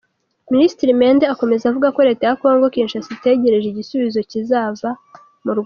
Minisitiri Mende akomeza avuga ko Leta ya Congo Kinshasa itegereje igisubizo kizava mu Rwanda.